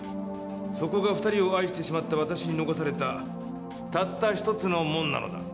「そこが２人を愛してしまった私に残されたたった１つの門なのだ」